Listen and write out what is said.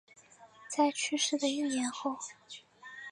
在去世的一年后